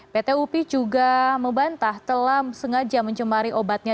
pt upi juga membantah telah sengaja mencemari obatnya